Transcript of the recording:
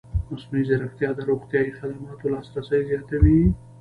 مصنوعي ځیرکتیا د روغتیايي خدماتو لاسرسی زیاتوي.